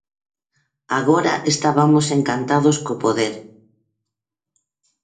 Agora estabamos encantados co poder.